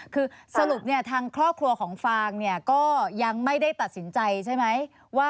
คือสรุปทางครอบครัวของฟางก็ยังไม่ได้ตัดสินใจใช่ไหม